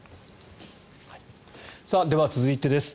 では、続いてです。